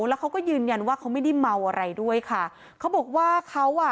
แล้วเขาก็ยืนยันว่าเขาไม่ได้เมาอะไรด้วยค่ะเขาบอกว่าเขาอ่ะ